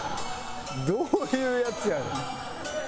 どういうヤツやねん。